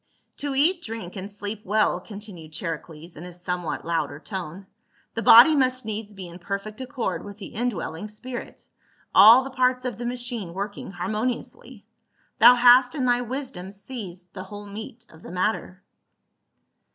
" To eat, drink, and sleep well," continued Chari cles in a somewhat louder tone, " the body must needs be in perfect accord with the indwelling spirit, all the parts of the machine working harmoniously. Thou hast in thy wisdom seized the whole meat of the matter."